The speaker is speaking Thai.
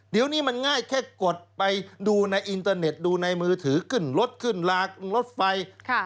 เดี๋ยวนี้มันง่ายแค่กดไปดูในอินเตอร์เน็ตดูในมือถือขึ้นรถขึ้นลากรถไฟ